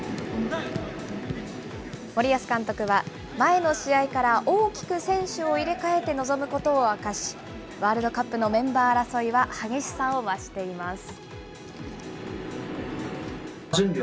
森保監督は、前の試合から大きく選手を入れ替えて臨むことを明かし、ワールドカップのメンバー争いは、激しさを増しています。